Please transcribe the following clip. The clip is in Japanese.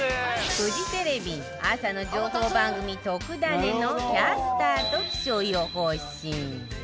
フジテレビ朝の情報番組『とくダネ！』のキャスターと気象予報士